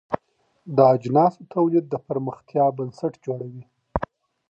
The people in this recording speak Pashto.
د اجناسو تولید د پرمختیا بنسټ جوړوي.